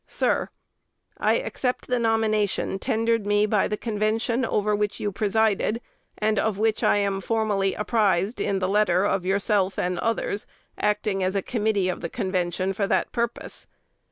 Sir, I accept the nomination tendered me by the Convention over which you presided, and of which I am formally apprised in the letter of yourself and others, acting as a Committee of the Convention for that purpose.